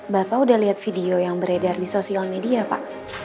bapak udah lihat video yang beredar di sosial media pak